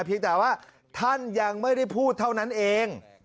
เพียงแต่ว่าท่านยังไม่ได้พูดเท่านั้นเอง